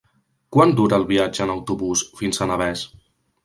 Quant dura el viatge en autobús fins a Navès?